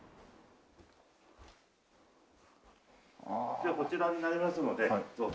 じゃあこちらになりますのでどうぞ。